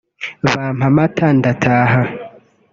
bampa amata ndataha